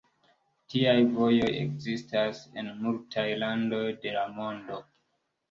Tiaj vojoj ekzistas en multaj landoj de la mondo.